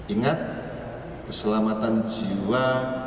ingat keselamatan jiwa